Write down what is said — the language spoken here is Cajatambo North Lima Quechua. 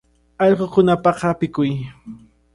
Allqukunapaq apikuy.